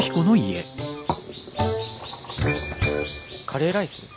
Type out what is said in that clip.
カレーライス？